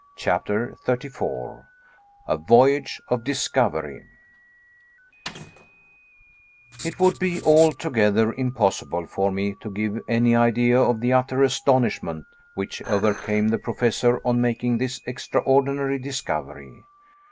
CHAPTER 34 A VOYAGE OF DISCOVERY It would be altogether impossible for me to give any idea of the utter astonishment which overcame the Professor on making this extraordinary discovery.